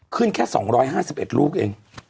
แค่๒๕๑ลูกเอง